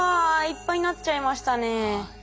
いっぱいになっちゃいましたね。